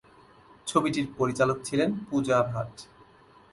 ছবিটির পরিচালক ছিলেন পূজা ভাট।